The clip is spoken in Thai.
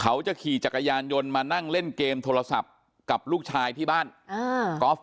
เขาจะขี่จักรยานยนต์มานั่งเล่นเกมโทรศัพท์กับลูกชายที่บ้านกอล์ฟ